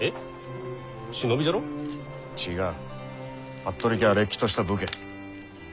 服部家はれっきとした武家。